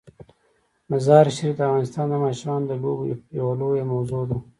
مزارشریف د افغانستان د ماشومانو د لوبو یوه لویه موضوع ده.